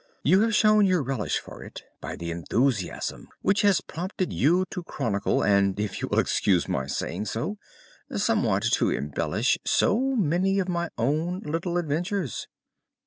You have shown your relish for it by the enthusiasm which has prompted you to chronicle, and, if you will excuse my saying so, somewhat to embellish so many of my own little adventures."